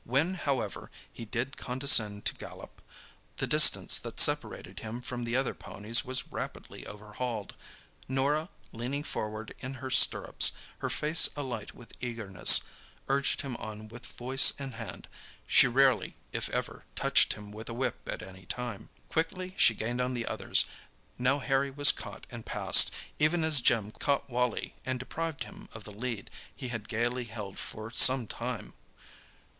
When, however, he did condescend to gallop, the distance that separated him from the other ponies was rapidly overhauled. Norah, leaning forward in her stirrups, her face alight with eagerness, urged him on with voice and hand—she rarely, if ever touched him with a whip at any time. Quickly she gained on the others; now Harry was caught and passed, even as Jim caught Wally and deprived him of the lead he had gaily held for some time.